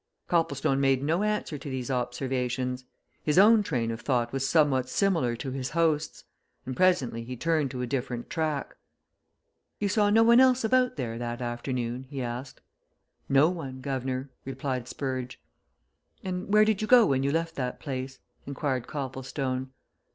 Copplestone made no answer to these observations. His own train of thought was somewhat similar to his host's. And presently he turned to a different track. "You saw no one else about there that afternoon?" he asked. "No one, guv'nor," replied Spurge. "And where did you go when you left the place?" inquired Copplestone.